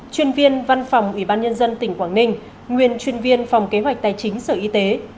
chuyên viên văn phòng ủy ban nhân dân tỉnh quảng ninh nguyên chuyên viên phòng kế hoạch tài chính sở y tế